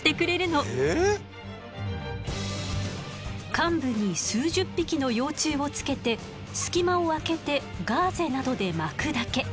患部に数十匹の幼虫をつけて隙間をあけてガーゼなどで巻くだけ。